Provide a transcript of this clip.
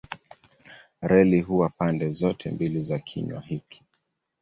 Reli huwa pande zote mbili za kinywa hiki.